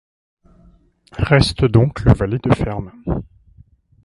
Reste donc le valet de ferme.